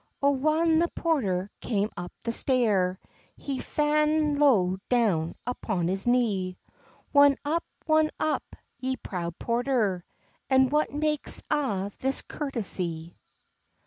O whan the porter came up the stair, He's fa'n low down upon his knee: "Won up, won up, ye proud porter, And what makes a' this courtesy?"